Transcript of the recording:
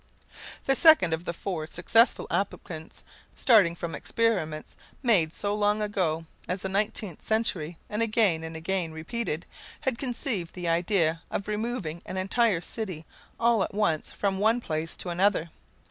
The second of the four successful applicants, starting from experiments made so long ago as the nineteenth century and again and again repeated, had conceived the idea of removing an entire city all at once from one place to another.